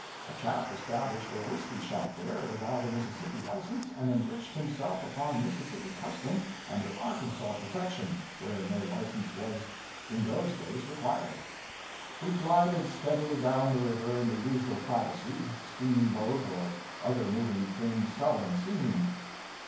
A chap established a whiskey shop there, without a Mississippi license, and enriched himself upon Mississippi custom under Arkansas protection (where no license was in those days required). We glided steadily down the river in the usual privacy steamboat or other moving thing seldom seen.